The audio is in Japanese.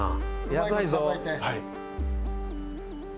やばいぞ！